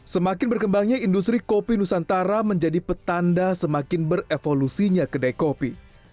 semakin berkembangnya industri kopi nusantara menjadi petanda semakin berevolusinya kedai kopi